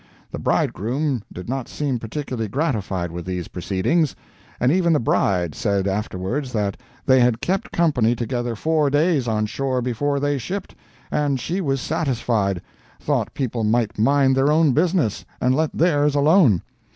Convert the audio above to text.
The bridegroom did not seem particularly gratified with these proceedings, and even the bride said afterwards that they had kept company together four days on shore before they shipped, and she was satisfied—thought people might mind their own business, and let theirs alone.